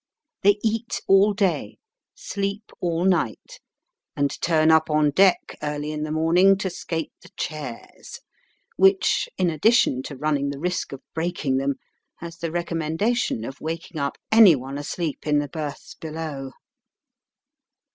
They eat all day, sleep all night, and turn up on deck early in the mortiing to " skate the chairs," which, in addition to running the risk of breaking them, has the recommendation of waking up any one asleep in the berths below.